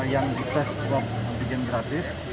yang dites swab antigen gratis